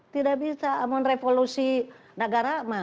tidak bisa revolusi nagarama